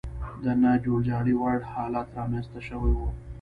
د نه جوړجاړي وړ حالت رامنځته شوی و.